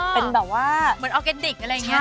เป็นแบบว่าเหมือนออร์แกนิคอะไรอย่างนี้